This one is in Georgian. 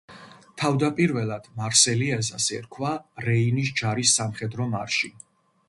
თავდაპირველად მარსელიეზას ერქვა „რეინის ჯარის სამხედრო მარში“.